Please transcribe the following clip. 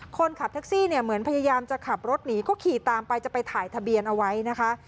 คนขับแท็กซี่เนี่ยเหมือนพยายามจะขับรถหนีก็ขี่ตามไปจะไปถ่ายทะเบียนเอาไว้นะคะ